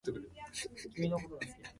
石川県白山市